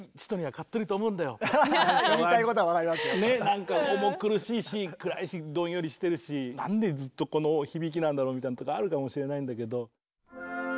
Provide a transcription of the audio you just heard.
なんか重苦しいし暗いしどんよりしてるしなんでずっとこの響きなんだろうみたいなとこあるかもしれないんだけど。